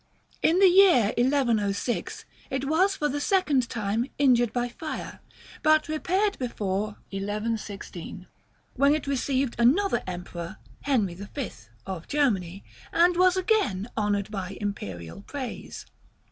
In the year 1106, it was for the second time injured by fire, but repaired before 1116, when it received another emperor, Henry V. (of Germany), and was again honored by imperial praise.